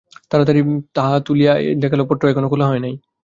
তাড়াতাড়ি তাহা তুলিয়া লইয়া দেখিল, পত্র এখনো খোলা হয় নাই।